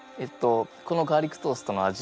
このガーリックトーストの味